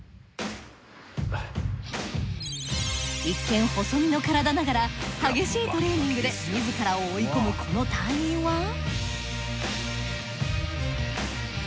一見細身の体ながら激しいトレーニングで自らを追い込むこの隊員は。